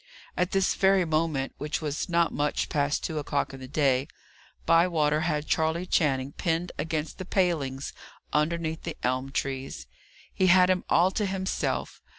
At this very moment, which was not much past two o'clock in the day, Bywater had Charley Channing pinned against the palings underneath the elm trees. He had him all to himself.